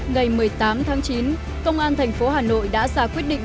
ngày một mươi tám tháng chín công an thành phố hà nội đã ra quyết định